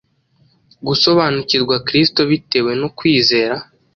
Gusobanukirwa Kristo bitewe no kwizera